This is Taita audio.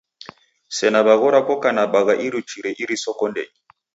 Sena w'eghora koka na bagha iruchire iriso kondenyi.